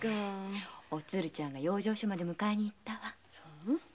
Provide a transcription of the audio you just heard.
おつるちゃんが養生所まで迎えに行ったわ。